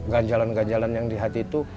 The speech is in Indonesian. ganjalan ganjalan yang di hati itu